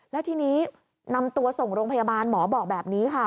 แล้วทีนี้นำตัวส่งโรงพยาบาลหมอบอกแบบนี้ค่ะ